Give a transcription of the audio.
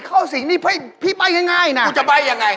ขอแบบง่ายน่ะกูจะใบ้ยังไง